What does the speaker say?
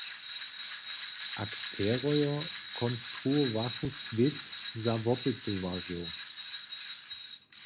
Akterojo konstruowachu swět za wopytowarjow.